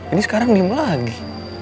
ini sekarang diem lagi